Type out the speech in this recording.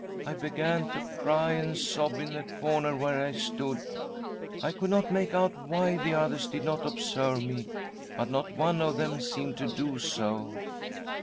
I began to cry and sob in the corner where I stood. I could not make out why the others did not observe me, but not one of them seemed to do so.